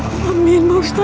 amin pak ustadz amin ya allah